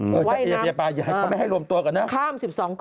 เออเออจะเอเชียร์ปรายังไม่ให้รวมตัวกันนะว่ายน้ำ